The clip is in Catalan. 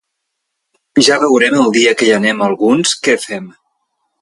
Ja veurem el dia que hi anem alguns, què fem.